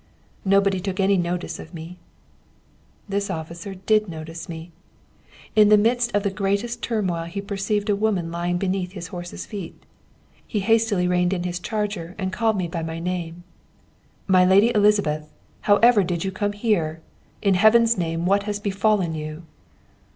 Nobody took any notice of me. "This officer did notice me. In the midst of the greatest turmoil he perceived a woman lying beneath his horse's feet. He hastily reined in his charger, and called me by my name. 'My lady Elizabeth! how ever did you come here? In Heaven's name, what has befallen you?'